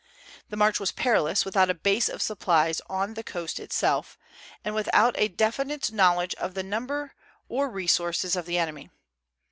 The march was perilous, without a base of supplies on the coast itself, and without a definite knowledge of the number or resources of the enemy.